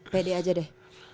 pede aja deh